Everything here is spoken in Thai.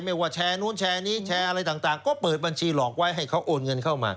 ไม่ว่าแชร์นู้นแชร์นี้แชร์อะไรต่างก็เปิดบัญชีหลอกไว้ให้เขาโอนเงินเข้ามา